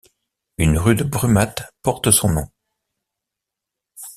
Une rue de Brumath porte son nom.